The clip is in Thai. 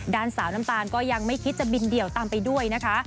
สาวน้ำตาลก็ยังไม่คิดจะบินเดี่ยวตามไปด้วยนะคะ